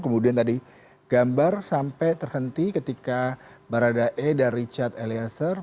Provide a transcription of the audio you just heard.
kemudian tadi gambar sampai terhenti ketika barada a dan richard eliaser